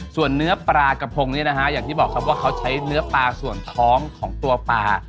ส่วนเนื้อปลากระพงนี่นะฮะอย่างที่บอกครับว่าเขาใช้เนื้อปลาส่วนท้องของตัวปลา